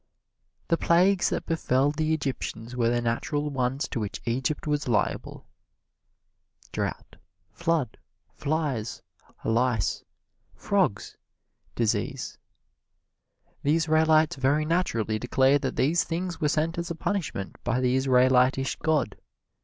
The plagues that befell the Egyptians were the natural ones to which Egypt was liable: drought, flood, flies, lice, frogs, disease. The Israelites very naturally declared that these things were sent as a punishment by the Israelitish god.